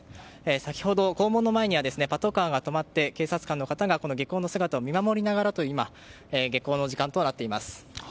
先ほど、校門の前にパトカーが止まって警察官が下校の姿を見守りながらという下校の時間となっています。